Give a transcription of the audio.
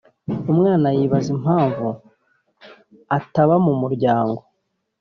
umwana yibaza impamvu ataba mu muryango